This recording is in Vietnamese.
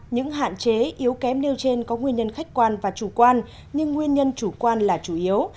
những hạn chế yếu kém nêu trên có nguyên nhân khách quan và chủ quan nhưng nguyên nhân chủ quan là chủ yếu